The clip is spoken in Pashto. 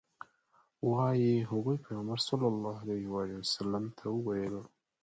وایي هغوی پیغمبر صلی الله علیه وسلم ته وویل.